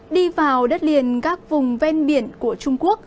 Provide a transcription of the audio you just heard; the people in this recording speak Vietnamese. đi vào đất liền các vùng ven biển của trung quốc